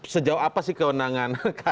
sejauh apa sih kewenangan